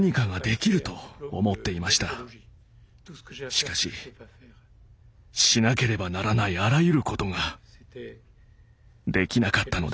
しかししなければならないあらゆることができなかったのです。